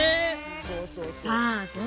そうそうそう。